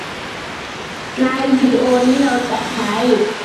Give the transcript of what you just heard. และในวิดีโอนี้ เราจะใช้